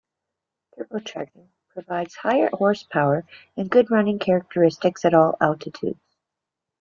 Turbocharging provides higher horsepower and good running characteristics at all altitudes.